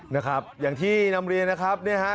นะครับอย่างที่นำเรียนนะครับเนี่ยฮะ